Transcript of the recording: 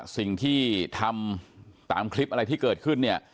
สิ่งที่ทำตามคลิปอะไรที่เกิดขึ้นเนี่ย